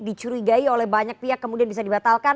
dicurigai oleh banyak pihak kemudian bisa dibatalkan